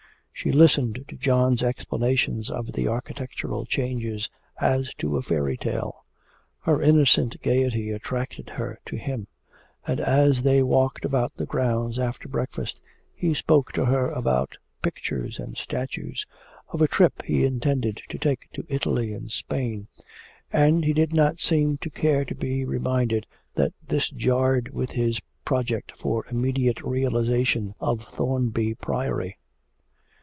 She listened to John's explanations of the architectural changes as to a fairy tale. Her innocent gaiety attracted her to him; and as they walked about the grounds after breakfast he spoke to her about pictures and statues, of a trip he intended to take to Italy and Spain, and he did not seem to care to be reminded that this jarred with his project for immediate realisation of Thornby Priory.